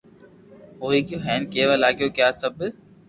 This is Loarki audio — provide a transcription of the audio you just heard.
ھوئي گيو ھين ڪيوا لاگيو ڪي آ سب